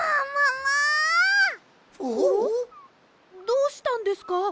どうしたんですか？